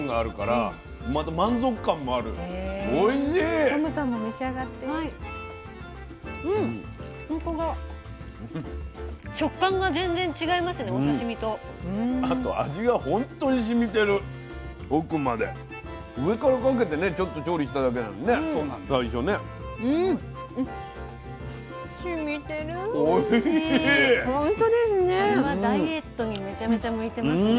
これはダイエットにめちゃめちゃ向いてますね。